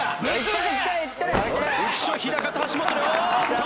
浮所飛貴と橋本おっと！